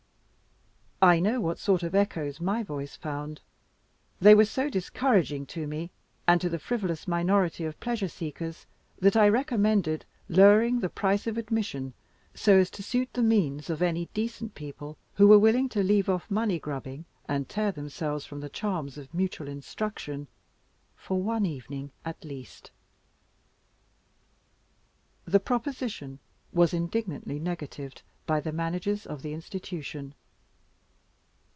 I know what sort of echoes my voice found. They were so discouraging to me, and to the frivolous minority of pleasure seekers, that I recommended lowering the price of admission so as to suit the means of any decent people who were willing to leave off money grubbing and tear themselves from the charms of mutual instruction for one evening at least. The proposition was indignantly negatived by the managers of the Institution.